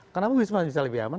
kenapa wisma bisa lebih aman